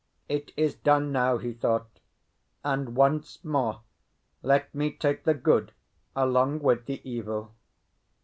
"It is done now," he thought, "and once more let me take the good along with the evil."